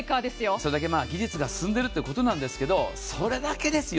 それぐらい技術が進んでいるということですがそれだけですよ。